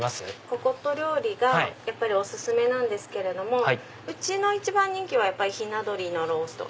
ココット料理がお薦めなんですけれどもうちの一番人気はやっぱりひな鳥のロースト。